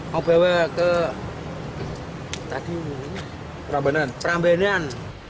mau bawa ke prambanan